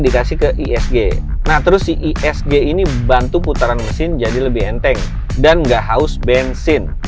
dikasih ke isg nah terus si isg ini bantu putaran mesin jadi lebih enteng dan gak haus bensin